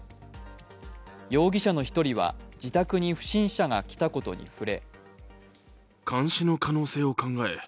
容疑者の１人は自宅に不審者が来たことに触れ